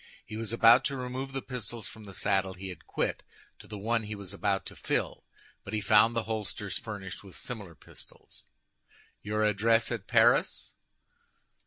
He was about to remove the pistols from the saddle he had quit to the one he was about to fill, but he found the holsters furnished with similar pistols. "Your address at Paris?"